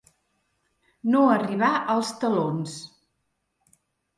No arribar als talons.